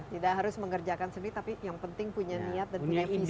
tidak harus mengerjakan sendiri tapi yang penting punya niat dan punya visi